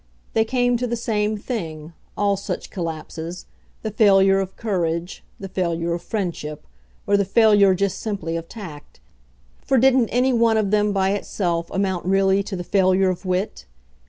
They came to the same thing, all such collapses the failure of courage, the failure of friendship, or the failure just simply of tact; for didn't any one of them by itself amount really to the failure of wit?